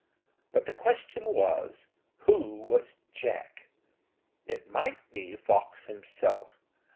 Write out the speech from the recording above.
But the question was, who was Jack? It might be Fox himself....